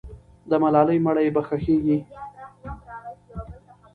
د ملالۍ مړی به ښخېږي.